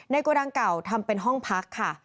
โกดังเก่าทำเป็นห้องพักค่ะ